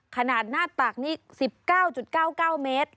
ขนาดหน้าตักนี่๑๙๙๙เมตร